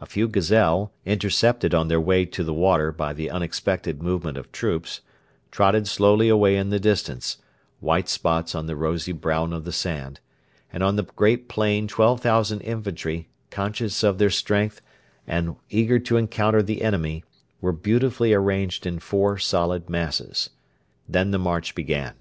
A few gazelle, intercepted on their way to the water by the unexpected movement of troops, trotted slowly away in the distance white spots on the rosy brown of the sand and on the great plain 12,000 infantry, conscious of their strength and eager to encounter the enemy, were beautifully arranged in four solid masses. Then the march began.